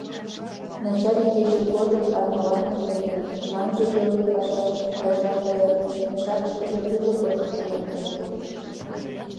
Начар игече годым арняланак каен, тунамже пелке пашаш кайышаш гаяк мешакышкыже тӱрлӧ кочкышым оптеныт.